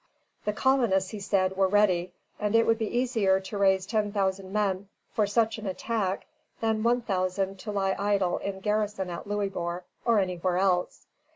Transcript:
The colonists, he said, were ready, and it would be easier to raise ten thousand men for such an attack than one thousand to lie idle in garrison at Louisbourg or anywhere else.